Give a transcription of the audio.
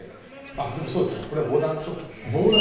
でも、そうですねこれは防弾チョッキですね。